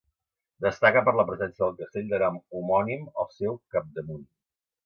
Destaca per la presència del castell de nom homònim al seu capdamunt.